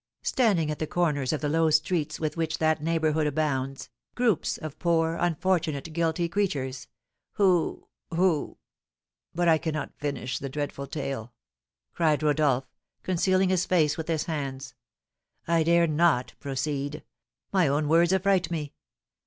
standing at the corners of the low streets with which that neighbourhood abounds, groups of poor, unfortunate, guilty creatures, who who But I cannot finish the dreadful tale!" cried Rodolph, concealing his face with his hands. "I dare not proceed; my own words affright me!"